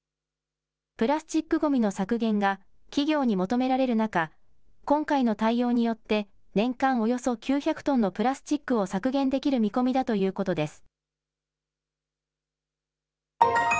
プラスチックごみの削減が、企業に求められる中、今回の対応によって、年間およそ９００トンのプラスチックを削減できる見込みだということです。